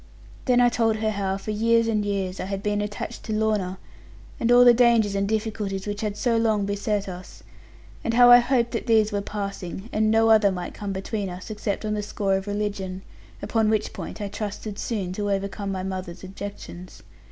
Then I told her how, for years and years, I had been attached to Lorna, and all the dangers and difficulties which had so long beset us, and how I hoped that these were passing, and no other might come between us, except on the score of religion; upon which point I trusted soon to overcome my mother's objections.